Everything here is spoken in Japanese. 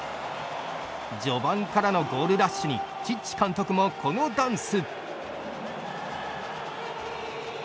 序盤からのゴールラッシュにチッチ監督もこのダンス。